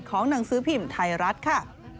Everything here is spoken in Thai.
หนังสือพิมพ์ไทยรัฐค่ะ